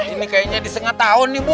ini kayaknya di setengah tahun nih bu